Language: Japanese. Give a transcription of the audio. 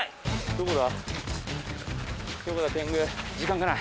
どこだ？